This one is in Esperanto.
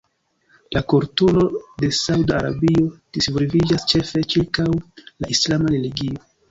La kulturo de Sauda Arabio disvolviĝas ĉefe ĉirkaŭ la islama religio.